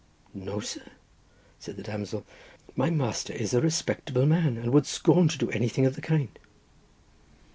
"No, sir," said the damsel; "my master is a respectable man, and would scorn to do anything of the kind."